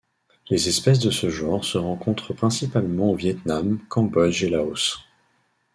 Les espèces de ce genre se rencontrent principalement au Vietnam, Cambodge et Laos.